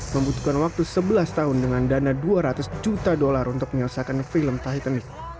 membutuhkan waktu sebelas tahun dengan dana dua ratus juta dolar untuk menyelesaikan film titanic